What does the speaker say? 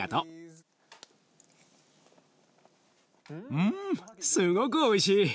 うんすごくおいしい！